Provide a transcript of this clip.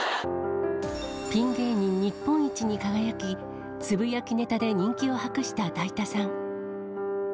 ピン芸人日本一に輝き、つぶやきネタで人気を博しただいたさん。